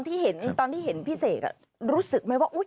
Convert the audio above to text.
ตอนที่เห็นพี่เศษรู้สึกไหมว่า